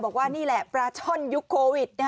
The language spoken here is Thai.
บอกว่านี่แหละปลาช่อนยุคโควิด